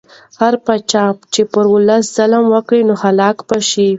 هر پاچا چې پر ولس ظلم وکړي نو هلاک به شي.